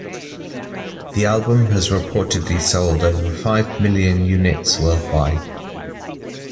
The album has reportedly sold over five million units worldwide.